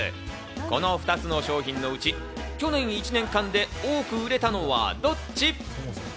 この２つの商品のうち去年１年間で多く売れたのはどっち？